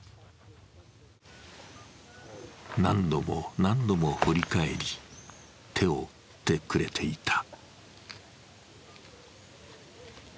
何度も何度も振り返り、手を振ってくれていた。